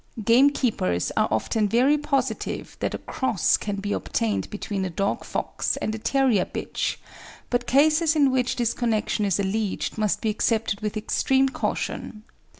Gamekeepers are often very positive that a cross can be obtained between a dog fox and a terrier bitch; but cases in which this connection is alleged must be accepted with extreme caution.